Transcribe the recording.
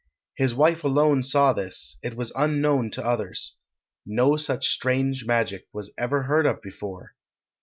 His wife alone saw this; it was unknown to others. No such strange magic was ever heard of before.